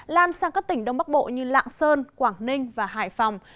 lan sang các tỉnh đông bắc bộ như lạng sơn quảng ninh và hải phòng